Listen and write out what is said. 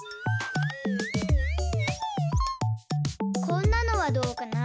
こんなのはどうかな？